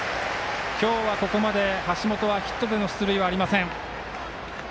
今日はここまで橋本はヒットでの出塁はありません。